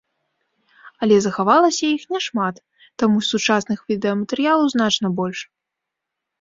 Але захавалася іх няшмат, таму сучасных відэаматэрыялаў значна больш.